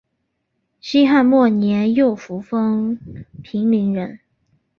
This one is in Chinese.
西汉末年右扶风平陵人。